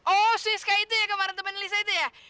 oh sis kak itu ya kemarin temen elisa itu ya